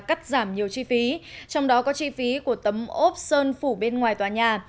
cắt giảm nhiều chi phí trong đó có chi phí của tấm ốp sơn phủ bên ngoài tòa nhà